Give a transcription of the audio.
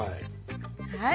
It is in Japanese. はい！